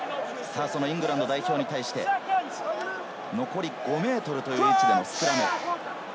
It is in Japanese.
そのイングランド代表に対して残り５ｍという位置でのスクラム。